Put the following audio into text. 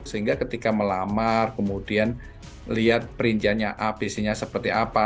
sehingga ketika melamar kemudian lihat perinciannya abc nya seperti apa